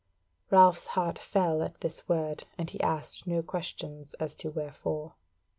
Ralph's heart fell at this word, and he asked no question as to wherefore.